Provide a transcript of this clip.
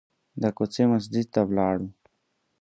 د کوڅې مسجد ته ولاړو.